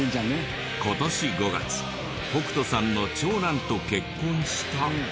今年５月北斗さんの長男と結婚した。